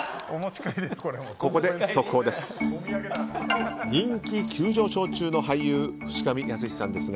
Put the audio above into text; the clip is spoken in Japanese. ここで速報です。